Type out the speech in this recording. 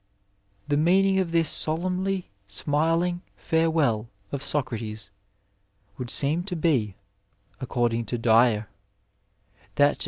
*^ The meaning of tliis solemnly smiling breweU of Socrates would seem to be," according to Dyer, " that to